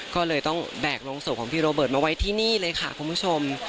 ก็เลยต้องแบกโรงศพของพี่โรเบิร์ตมาไว้ที่นี่เลยค่ะคุณผู้ชม